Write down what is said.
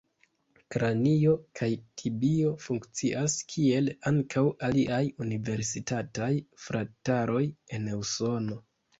Kranio kaj tibio funkcias kiel ankaŭ aliaj universitataj frataroj en Usono.